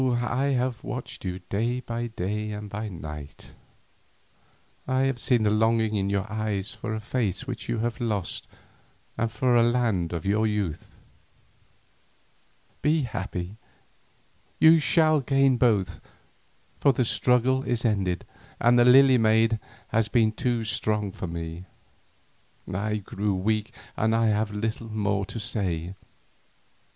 I have watched you by day and by night: I have seen the longing in your eyes for a face which you have lost and for the land of your youth. Be happy, you shall gain both, for the struggle is ended and the Lily maid has been too strong for me. I grow weak and I have little more to say.